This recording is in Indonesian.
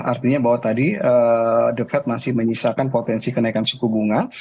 artinya bahwa tadi the fed masih menyisakan potensi kenaikan suku bunga